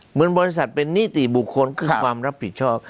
เหมือนบริษัทเป็นนิติบุคคลคือความรับผิดชอบ